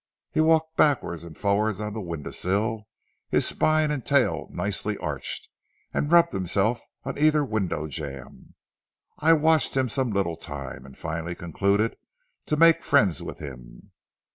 He walked backward and forward on the window sill, his spine and tail nicely arched, and rubbed himself on either window jamb. I watched him some little time, and finally concluded to make friends with him.